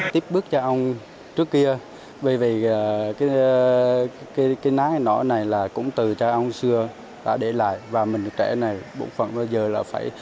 tiếp bước cha ông trước kia bởi vì cái nái nỏ này là cũng từ cha ông xưa đã để lại và mình trẻ này bộ phận bao giờ là phải